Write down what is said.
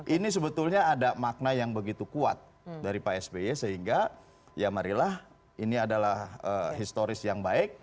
ini sebetulnya ada makna yang begitu kuat dari pak sby sehingga ya marilah ini adalah historis yang baik